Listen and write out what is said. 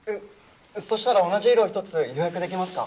そしたら同じ色を１つ予約できますか？